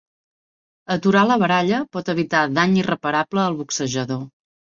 Aturar la baralla pot evitar dany irreparable al boxejador.